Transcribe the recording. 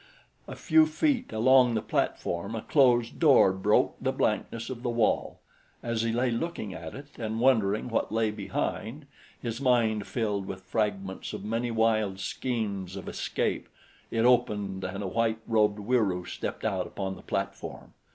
A few feet along the platform a closed door broke the blankness of the wall. As he lay looking at it and wondering what lay behind, his mind filled with fragments of many wild schemes of escape, it opened and a white robed Wieroo stepped out upon the platform.